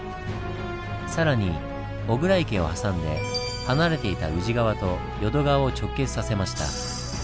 更に巨椋池を挟んで離れていた宇治川と淀川を直結させました。